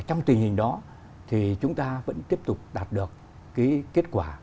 và trong tình hình đó thì chúng ta vẫn tiếp tục đạt được kết quả